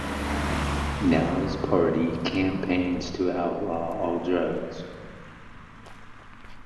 Now his party campaigns to outlaw all drugs.